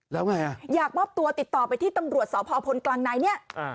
แล้วไงอ่ะอยากมอบตัวติดต่อไปที่ตำรวจสพพลกลางในเนี่ย